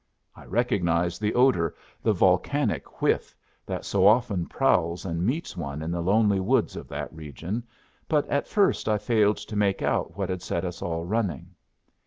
I recognized the odor, the volcanic whiff, that so often prowls and meets one in the lonely woods of that region, but at first I failed to make out what had set us all running.